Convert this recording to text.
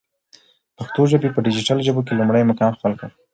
پښتو ژبی په ډيجيټل ژبو کی لمړی مقام خپل کړ.